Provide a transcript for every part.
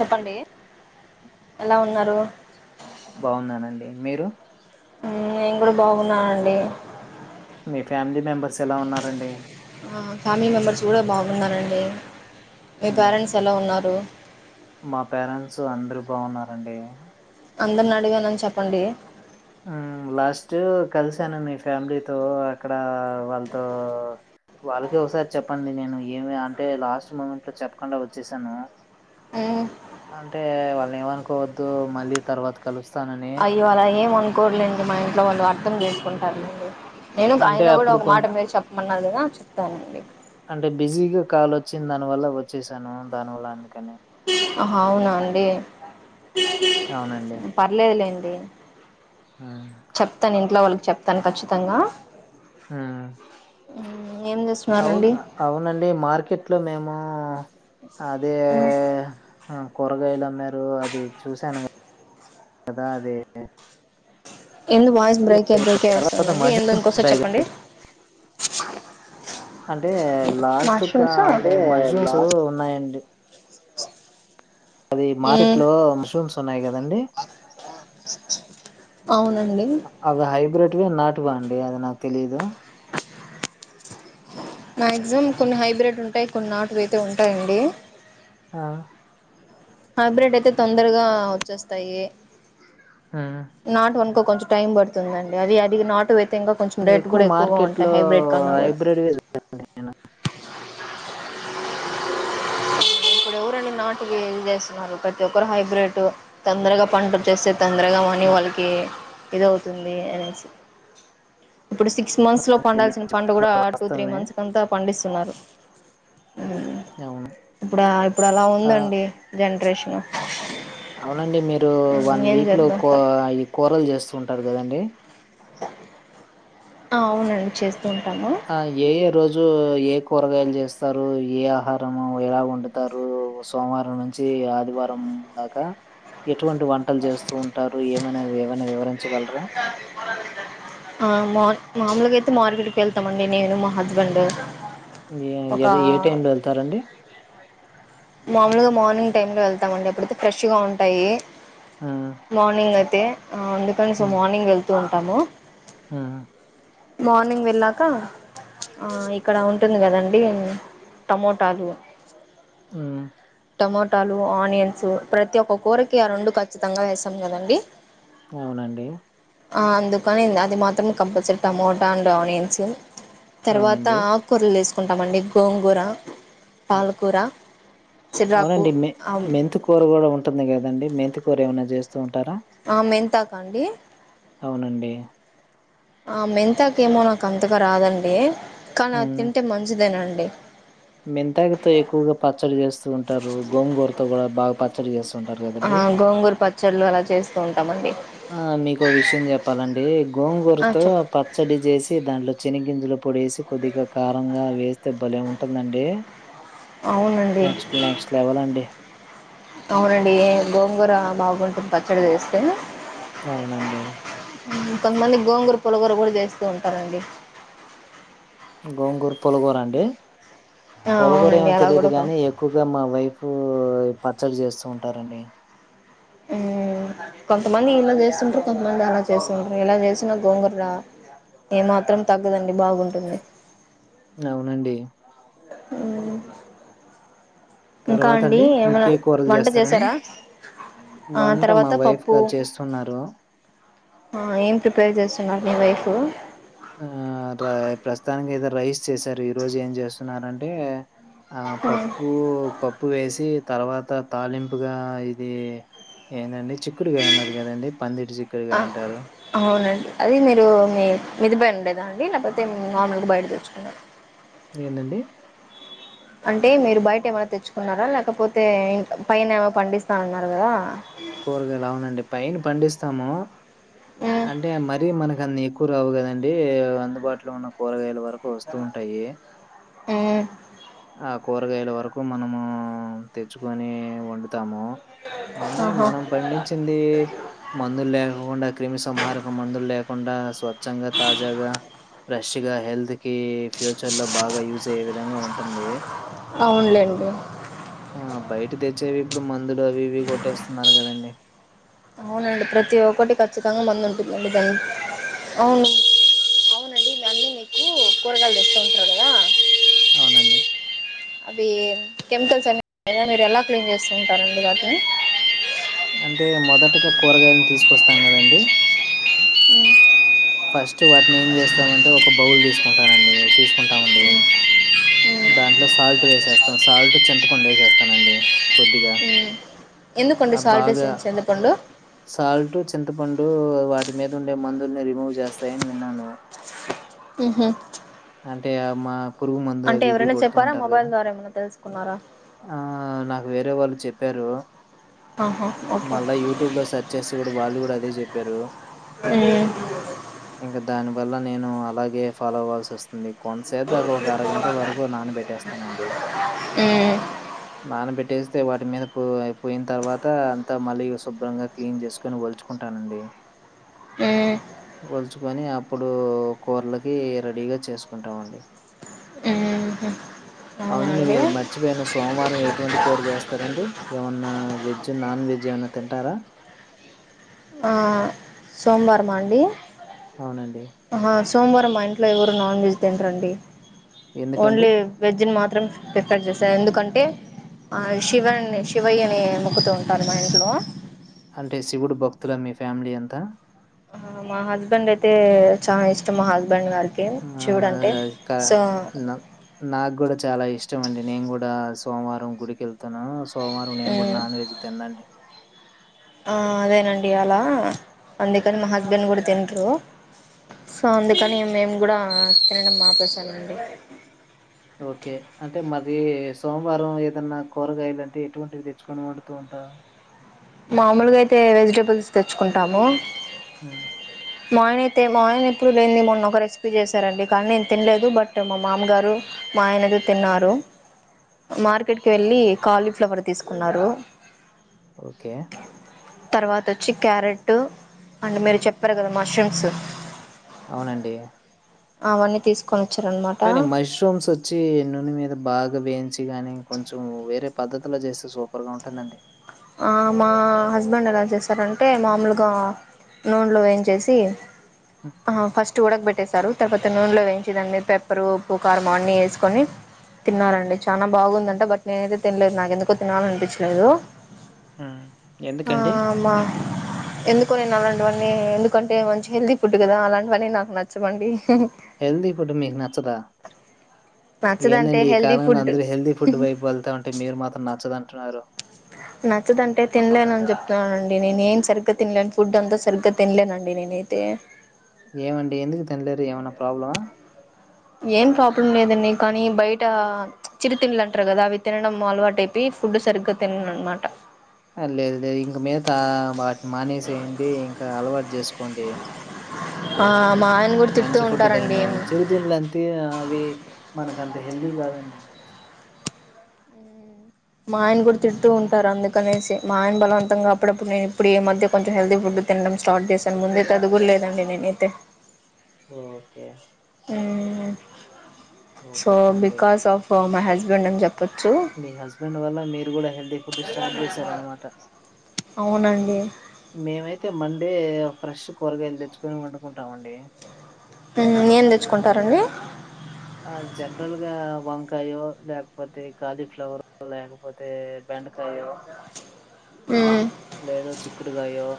చెప్పండి ఎలా ఉన్నారు బాగున్నానండి మీరు హు నేను కూడా బాగున్నానండి మీ ఫ్యామిలీ మెంబెర్స్ ఎలా ఉన్నారండి ఫ్యామిలీ మెంబర్స్ కూడా బాగున్నారు అండి మీ హ్మ్ పేరెంట్స్ ఎలా ఉన్నారు మా పేరెంట్స్ అందరు బాగున్నారండి అందరిని అడిగానని చెప్పండి హు లాస్ట్ ఇయర్ కలిసాను మీ ఫ్యామిలీతో అక్కడ వాళ్ళతో వాళ్ళకే ఒకసారి చెప్పండి నేను ఏమి అంటే లాస్ట్ మూమెంట్ లో చెప్పకుండా వచ్చేసాను అయో అంటే వాళ్ళని ఏమనుకోవద్దు మళ్ళీ తర్వాత కలుస్త అయ్యో అలా ఏం అనుకోరులేండి మా ఇంట్లో వాళ్ళు అర్థం చేసుకుంటారు నేను అంటే ఆయన కూడా అప్పుడు ఒక కొం మాట మీరు చెప్పమన్నారుగా చెప్తానండి అంటే బిజీగా కాల్ వచ్చింది దాని వల్ల వచ్చసాను దాని వల్ల అందుకని ఆహా అవునా అండి అవునండి పర్లేదులేండి హ్మ్ చెప్తాను ఇంట్లో వాళ్ళకి చెప్తాను ఖచ్చితంగా మ్మ్ హ్హ్ ఏం అవును చేస్తున్నారండి అవునండి మార్కెట్ లో మేము అదే కూరగాయలు అమ్మారు అది చూసాను కదా అది ఎందో వాయిస్ బ్రేక్ బ్రేక్ అయి తర్వాత వస్తుందండి ఎందో మష్రూమ్స్ ఇంకోసరి ఉంటాయి గదా! చెప్పండి అంటే లాస్ట్ కు మాస్టర్సా అంటే మష్రూమ్స్ లాస్ట్ ఉన్నాయండి అది మార్కెట్ మ్మ్ లో మష్రూమ్స్ ఉన్నాయి కదండి అవునండి ఇది నాటువా అండి అది నాకు తెలీదు మాక్సిమం కొన్ని హైబ్రిడ్ ఉంటాయి కొన్ని నాటువి అయితే ఉంటాయండి ఆ హైబ్రిడ్ అయితే తొందరగా వచ్చేస్తాయి హ్మ్. నాట్ వన్కో కొంచెం టైం పడుతుందండి అది అది నాట్ ఇంకా కొంచెం కానీ రేటు ఎక్కువ కూడా ఎక్కువగా ఉంటాయి మార్కెట్‌లో హైబ్రిడ్ కన్నా కూడా హైబ్రిడ్‌వే ఇప్పుడు ఎవరండి నాటువి ఏస్తున్నారు ప్రతి ఒక్కరు హైబ్రిడ్ తొందరగా పంట వస్తదని తొందరగా మనీ చూస్తున్నా. వాళ్ళకి ఇదివుతుంది అనేసి ఇప్పుడు సిక్స్ మంత్స్ లో అది మీరు పండాల్సిన చెప్పింది పంట కూడా టూ త్రీ వాస్తవమే. మంత్స్ లో పండిస్తున్నారు అ అవును ఇప్పుడు ఇప్పుడు అలా ఆ! ఉందండి జనరేషన్ అవునండి మీరు వన్ ఏం వీక్ లో చేద్దాం తప్ ఈ కూరలు చేస్తూ ఉంటారు కదండి అవునండి చేస్త ఆ ఏ ఏ రోజు ఏ కూరగాయలు చేస్తారు ఏ ఆహారము ఎలా వండుతారు సోమవారం నుంచి ఆదివారం దాకా ఎటువంటి వంటలు చేస్తూ ఉంటారు ఏమన్నా ఏమైనా వివరంగా ఆ మా మామూలుగా అయితే మార్కెట్కి వెళ్తామండి నేను మా హస్బెండ్ ఒక ఏ ఏ టైంలో వెళ్తారండి మామూలుగా మార్నింగ్ టైమ్ లో వెళ్తామండి అప్పుడైతే ఫ్రెష్గా ఉంటాయి హ్మ్. మార్నింగ్ అయితే అందుకని సో హ్మ్. మార్నింగ్ వెళ్తూ ఉంటాము హ్మ్. మార్నింగ్ వెళ్ళాక ఇక్కడ ఉంటుంది కదండి టమాటలు ఆ టమటాలు ఆనియన్స్ ప్రతి ఒక్క కూరకి ఆ రెండు ఖచ్చితంగా వేస్తామ్ కదండి అవునండి అందుకని అది మాత్రం కంపల్సరీ టమటా అండ్ ఆనియన్స్ తర్వాత అవునండి. ఆకుకూరలు తిసుకుంటామండి గోంగూర హ్మ్. పాలకూర చిరాకు అవునండి మెంతికూర కూడా ఉంటుంది కదండి మెంతి కూర ఏమైనా చేస్తూ ఉంటరా ఆ మెంతి ఆక అండి అవునండి. ఆ మెంతకమో నాకు అంతగా రాదండి కానీ అది హ్మ్. తింటే మంచిదేనండి తే మెంతాకుతో ఎక్కువగా పచ్చడి చేస్తూ ఉంటారు గోంగురతో కూడా బాగా పచ్చడి చేస్తారు ఆ గోంగూర్ పచ్చళ్ళు, అలా చేసుకో. ఆ మీకో విషయం చెప్పాలంఢీ, ఆ గోంగూరతో చెప్ పచ్చడి జెసి దాంట్లో. చెనిగిింజుల పొడేసి కొద్దిగా కారంగా వేస్తే బలేఉంటుందండి. అవునండి నెక్స్ట్ నెక్స్ట్ లెవెల్ అండి. అవునండి ఎ గోంగూర బాగు. పచ్చడ జెస్తే. అవునండి. పులగూర కూడా జెస్తూ ఉంటామండి. గోంగూరు తోటకూర అండి. ఆ పొలగూర ఏమో అవునండి అలా తెలియదు కూడా గాని, ఎక్కువగా మా వైపూ. పచ్చడ జెస్తూ ఉంటారండి. ఉమ్. కొంతమంది ఇలా జెస్తుంటారు, కొంతమంది అలా జెస్తుంటారు, ఇలా జేసినా గోంగూర్ర. ఏ మాత్రం తగ్గదండి బాగుంటుంది. అవునండి. ఉమ్. తర్వాతండి, ఏమైనా ఇంకే కూరలు వంట జెస్తారండి. చేసారా ఆ వంట మా తర్వాత వైఫ్ గా చేస్తున్నారు. అ ఏం ప్రిపేర్ జెస్తున్నారు, మీ వైపూ. ఆ ప్ర ప్రస్తుతానికి ఏదో రైస్ చేసారు ఈ రోజు ఏం జెస్తున్నరంటే. ఆ పప్పు పప్పు వేసి. తర్వాత తాలింపుగా ఇది ఏందండి. చిక్కుడుగాయ ఉన్నది గదండి, పందిటి చిక్కుడు ఆ గయ ఉంటారు. అవునండి అది మీరూ, మీ మిదిబండేదా అండి, లేకపోతే మూ మామూలుగా బయట తెచ్చుకునే. ఏందండి. అంటే మీరు బయట ఏమైనా తెచ్చుకున్నారా, లేకపోతే, ఇంట్ల పైన ఏమో పండిస్తానన్నారు గదా. కూరగాయలు అవునండి, పైన పండిస్తామూ, ఉమ్, అంటే మరీ మనకన్ని కు. క్ రావు కదండి, ఓ అందుబాటులో ఉన్న కూరగాయలు వ. నాకు వొస్తు ఉంటాయి ఉమ్, ఆప్. కూరగాయల వరకు మనమూ, తెచ్చుకొని, వొండుతాము. అంటే ఆహా మనం పండించిందీ, మందులు లేకుండా క్రిమిసంహారక మందులు లేకు. కుండా స్వఛంగా తాజాగా, ఫ్రెష్ గా హెల్దీ. కి ఫ్యూచర్ లో బాగా యూజ్ అయ్యే విధంగా ఉంటుందీ. అవునులేండి ఆ బయట తెచ్చేవి ఇప్పుడు మందులు అవి ఇవి కొట్టేస్తున్నారు కదండి. అవునండి ప్రతి ఒక్కటి ఖచ్చితంగా మందు అంటుందండి దని. అన్నీ నీకు కూరగాయలు తెస్తూ ఉంటారు కదా అవునండి అవి కెమికల్స్ అనే ఎ మీరు ఎలా క్లీన్ చేస్తుంటారండి వాాటిని. అంటే మొదటిగా, కూరగాయలను తీసుకొస్తాం కదండి. ఫస్ట్ వాటిని ఏం జెస్తామంటే ఒక బౌల్ తీసుకుంటానండి, తీసుకుంటామండి. ఉమ్, దాంట్లో సాల్ట్ వేసేస్తాం సాల్ట్ చింతపండు వేసేస్తానండి, కొద్దిగా. ఉమ్. ఎందుకండి ఆ సాల్ట్ వేసి బాగా, చింతపండు సాల్ట్ చింతపండూ. వాటి మీద ఉండే మందుల్ని రిమూవ్ చేస్తాయని విన్నాను. ఎ హె. అంటే అ మా పురుగు మందు అవి ఇవి కొడుతూ చెప్పారా ఉంటారు మొబైల్ గదా. ద్వారా ఏమైనా తెలుసుకున్నారా ఆ నాకు వేరే వాళ్ళు చెప్పారూ. ఆహా ఓకే మళ్ళా యూట్యూబ్ లో సర్చ్ చేసి సూడు వాళ్ళు కూడా అదే చెప్పారు. ఆ ఇంకా దాని వల్ల నేను అలాగే ఫాలో అవ్వాల్సి వొస్తుంది. కొంతసేద్దా కు ఒక అరగంట వరకు నాన్న బెట్టేస్తానండి. నాన్న బెటేస్. ఐతే వాటి మీద పో అయి పోయిన తర్వాత, అంతా మళ్ళీ శుభ్రంగా క్లీన్ చేసుకొని వల్చుకుంటానండి. ఏ వలుచుకొని అప్పుడు కూరలకి రెడీగా చేసుకుంటాంండి ఆ [inaudible] అవునండి మీరు మర్చిపోయిన సోమవారం ఎటువంటి కూర చేస్తారండి ఏమన్నా వెజ్ నాన్ వెజ్ ఏమనా తింటారా సోమవారం మా అండి అవునండి ఆహా సోమవారం మా ఇంట్లో ఎవరు నాన్ వెజ్ తింటరండి ఎందుకండి? ఓన్లీ వెజ్ ని మాత్రం ప్రిపేర్ చేస్త ఎందుకంటే శివ శివయ అనే మొక్కుతూ ఉంటారు మా ఇంట్లో అంటే శివుడు భక్తుల మీ ఫ్యామిలీ అంతా మా హస్బెండ్ అయితే చాలా ఇష్టం మా హస్బె ఇబండి వాళ్ళకి శివాడు ఆహ్, క సో న నాకు గూడా చాలా ఇష్టమండి నేను కూడా సోమవారం గుడికి వెళ్తాను సోమవారం నేను కూడా నాన్ వెజ్ తిన్నాండి అదేనండి అలా అందుకని మా హస్బెండ్ కూడా తింటరు సో అందుకని మేము కూడా తినడం మాపసామ అండి ఓకే అంటే మరి సోమవారం ఏదన్నా కూరగాయలు అంటే ఎటువంటివి తెచ్చుకొని వండుతూ ఉంట [inaudible] మామూలుగా అయితే వెజిటబుల్స్ తెచ్చుకుంటాము ఆ మాయన అయితే మాయన ఎప్పుడు లేని మొన్నొ ఒక రెసిపీ చేశారండి కానీ నేను తినలేదు బట్ మా మామగారు మాయనది తిన్నారు మార్కెట్కి వెళ్ళి కాలీఫ్లవర్ తీసుకున్నారు ఓకే. తర్వాత వచ్చి క్యారెట్ అంటే మీరు చెప్పారు కదా మష్రూమ్స్ అవునండి అవన్నీ తీసుకొని వచ్చారనమాట కానీ మష్రూమ్స్ వచ్చి నూనె మీద బాగా వేయించి కాని కొంచెం వేరే పద్ధతిలో చేస్తే సూపర్ గా ఉంటుందండి మా హస్బెండ్ ఎలా చేశారంటే మామూలుగా నూనెలో ఏంచ చేసి హ్మ్. ఫస్ట్ ఉడకబెట్టే ారు తర్వాత నూనెలో వేంచిదన్ని పెప్పరు పూ కారంమ అన్నీ వేసుకొని తిన్నాలండి చాలా బాగుందంటే బట్ నేనయితే తినలేదు నాకెందుకో తినాల అనిపించలేదు హ్మ్. ఎందుకండి? ఆమ ఎందుకో ఇవన్నీ ఎందుకంటే మంచిగా హెల్తీ ఫుడ్ కదా అలాంటివన్నీ నాకు నచ్చవండి హెల్తీ ఫుడ్ మీకు నచ్చదా నచ్చదంటే ఏందండి ఈ హెల్దీ కాలంలో ఫుడ్ అందరుూ హెల్తీ ఫుడ్ వైపు వెళ్తా ఉంటే మీరు మాత్రం నచ్చదుంటున్నారు నచ్చదంటే తినలేన అని చెప్తున్నానునండి నేను ఏం సరిగ్గా తినలేను ఫుడ్ అంతా సరిగ్గా తినలేనండి నేను అయితే ఏమండి ఎందుకు తినలేరు ఏమనా ప్రాబ్లమా ఏం ప్రాబ్లం లేదండి కానీ బయట చిరుతిిినలు అంటారు కదా అవి తినడం అలవాటుైపి ఫుడ్ సరుకు తిన అనమాట లేదు లేదు ఇంక మిగతా వాటిని మానేసేయండి ఇంకా అలవాటు చేసుకోండి ఆ మా ఆయన కూడా తిడుతూ మంచి ఫుడ్ ఉంటారండి తినడి చిరుతింల అంతే అవి మనక అంత హెల్దీ కాదండి మా ఆయన కూడా తింటూ ఉంటారు అందుకనేసి మా ఆయన బలవంతంగా అప్పుడప్పుడు నేను ఇప్పుడు ఈ మధ్య కొంచెం హెల్దీ ఫుడ్ తినడం స్టార్ట్ చేశాను ముందైతే చదువురలేదండి నేనైతే ఓకే ఓహ్! సో బెటరండి. బికాస్ ఆఫ్ మై హస్బెండ్ అని చెప్తాను మీ హస్బెండ్ వల్ల మీరు కూడా హెల్తీ ఫుడ్ స్టార్ట్ చేశారనమాట అవునండి మేమైతే మం తే ఫ్రెష్ కూరగాయలు తెచ్చుకొని వండుకుంటాం అండి ఏం తెచ్చుకుంటారండి ఆ జనరల్ గా వంకాయో లేకపోతే కాలీఫ్లవర్ లేకపోతే బెండకాయో మ్మ్. లేదో కయ్యో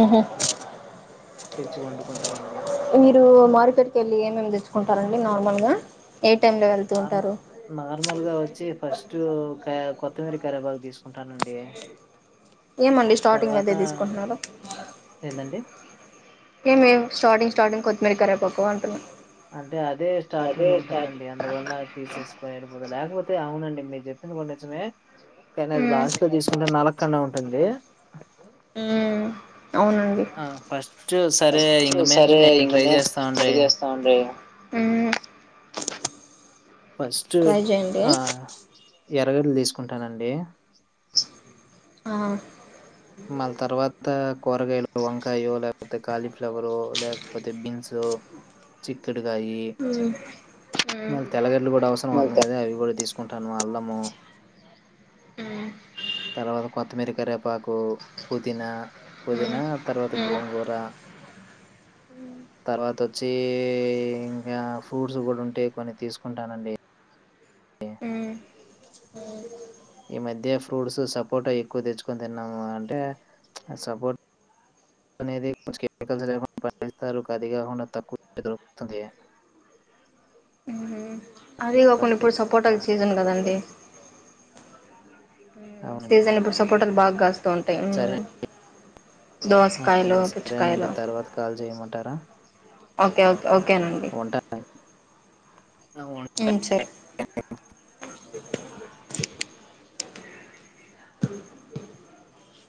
ఉహు తెచ్చి వండుకుంటామండి మార్కెట్ క వెళ్ళి మేం తెచ్చుకుంటారండి నార్మల్ గా నార్ నార్మల్గా వచ్చి ఫస్ట్ కొతిమీర కరెపాక్ తీసుకు కుంటానండి ఏమండి స్టార్టింగ్ అయితే తీసుకుంటున్నారు ఏందండి? ఏ మేము స్టార్టింగ్ స్టార్టింగ్ కొత్తిమీర కరే పక్కకువ అంటున్నాం అంటే అదే స్టార్టింగ్ ఉంటుందండి అందువల్ల తీసేసుకోలేడిపోదు లేకపోతే అవునండి మీరు చెప్పింది కూడా నిజమే కానీ అది లాస్ట్ లో తీసుకుంటే నల్ కండ ఉంటుంది మ్మ్, అవునండి ఆ ఫస్ట్ సరే ఫస్ట్ ఇంక మీద సరే నేను ఇంక ట్రై మీద చేస్తాను ట్రై చేస్తా ఉంట ఫస్ట్ ఎర్రగడ్ల తీసుకుంటానండి ఆ మళ్ళ తర్వాత కూరగాయలు వంకాయ ఓ లేకపోతే కాలీఫ్లవరు లేకపోతే బీన్సు చిక్కడుకాయ మ్మ్, మ్మ్. మరి తెల్లగడ్లు కూడా అవసరం అవుతుంది మల్కా కదా అవి కూడా తీసుకుంట ట్టను అల్లమో ఉమ్ తర్వాత కొత్తిమీరీ కరవేపాకు పుదీనా మ్మ్, పుదీనా తర్వాత మ్మ్, గోంగూర తర్వాత వచ్చే ఇంకా ఫ్రూట్స్ కూడా ఉంటే కొన్ని తీసుకుంటానండి అ ఈ మధ్య ఫ్రూట్స్ సపోర్ట్ ఎక్కువ తెచ్చుకొని తిన్నాము అంటే ఆ సపోర్ట్ అనేది కొంచ కెమికల్స్ పస్తారుకుధగా ఉన్న తక్కువరుతుంది అదే అలా ఒకల్ ఇప్పుడ్ సపోర్ట్ తెచ్చుకున్నాము. సీజన్ కదండి అవునండి. సీజన్ ఇప్పుడు సపోటల్ బాగ్ కాస్తూ ఉంటాయి సరే దోస కైలో అవునండి. సరేనండి. పుచకైలొ తర్వాత కాల్ చేయమంటారా? ఓకేనండి ఉంటా సరే